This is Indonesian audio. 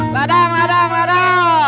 ladang ladang ladang